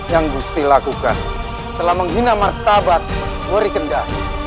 yang bistri lakukan telah menghina martabat wari kendal